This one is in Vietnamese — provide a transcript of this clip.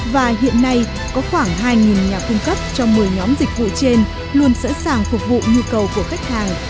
và hiện nay có khoảng hai nhà cung cấp trong một mươi nhóm dịch vụ trên luôn sẵn sàng phục vụ nhu cầu của khách hàng